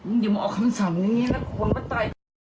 มึงอย่ามาเอาคำสั่งแบบนี้เลยน้ะคนมาตาย